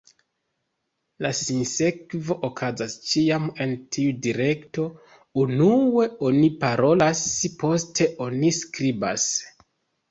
La sinsekvo okazas ĉiam en tiu direkto: unue oni parolas, poste oni skribas.